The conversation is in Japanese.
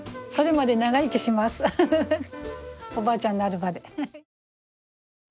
おばあちゃんになるまで。